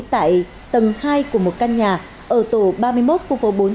tại tầng hai của một căn nhà ở tổ ba mươi một khu phố bốn